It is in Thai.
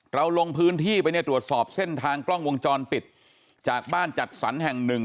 ลงพื้นที่ไปเนี่ยตรวจสอบเส้นทางกล้องวงจรปิดจากบ้านจัดสรรแห่งหนึ่ง